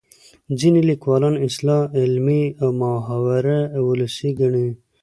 ځینې لیکوالان اصطلاح علمي او محاوره ولسي ګڼي